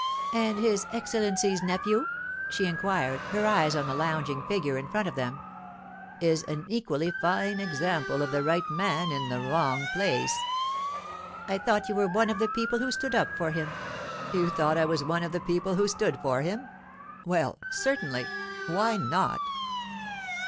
'And his Excellency's nephew?' she inquired, her eyes on the lounging figure in front of them. 'Is an equally fine example of the right man in the wrong place.' 'I thought you were one of the people who stood up for him.' 'You thought I was one of the people who stood up for him? Well, certainly, why not?